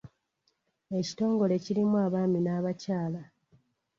Ekitongole kirimu abaami n'abakyala.